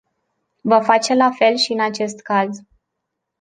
Va face la fel și în acest caz.